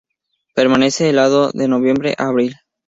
Permanece helado de noviembre a abril.